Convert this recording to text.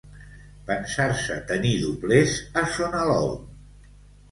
Pensar-se tenir doblers a son Alou.